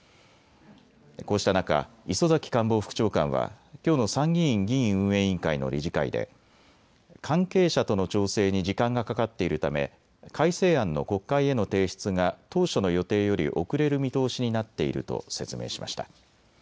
こうした中、磯崎官房副長官はきょうの参議院議院運営委員会の理事会で関係者との調整に時間がかかっているため、改正案の国会への提出が当初の予定より遅れる見通しになっていると説明しました。